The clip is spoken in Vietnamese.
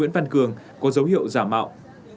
phân cường có dấu hiệu giả mạo